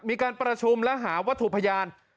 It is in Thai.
มีการประชุมและหาวัตถุพยาน